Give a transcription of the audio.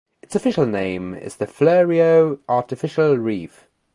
Its official name is the Fleurieu Artificial Reef.